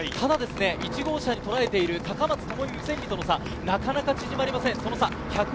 １号車がとらえている高松智美ムセンビとの差はなかなか埋まりません。